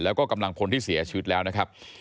แล้วก็กำลังพลที่เสียชีวิตแล้วนะครับ